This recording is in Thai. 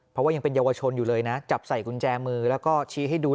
เพราะว่ายังเป็นเยาวชนอยู่เลยนะจับใส่กุญแจมือแล้วก็ชี้ให้ดู